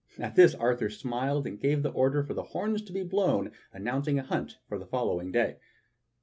At this Arthur smiled, and gave the order for the horns to be blown announcing a hunt for the following day.